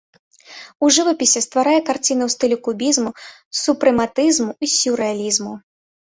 У жывапісе стварае карціны ў стылі кубізму, супрэматызму і сюррэалізму.